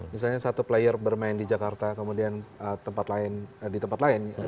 misalnya satu player bermain di jakarta kemudian tempat lain di tempat lain